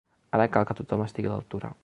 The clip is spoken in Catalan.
Ara cal que tothom estigui a l’altura.